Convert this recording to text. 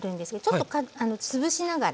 ちょっとつぶしながら。